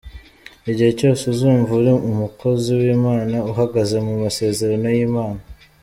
Igihe cyose uzumva uri umukozi w’Imana, uhagaze mu masezerano y’Imana.